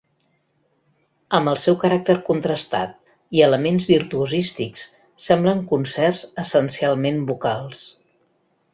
Amb el seu caràcter contrastat i elements virtuosístics semblen concerts essencialment vocals.